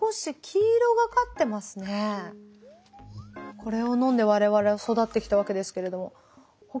これを飲んで我々は育ってきたわけですけれども。